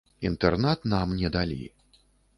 Інтэрнат нам не далі.